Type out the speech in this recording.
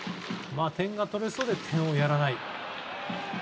点が取れそうでやらない。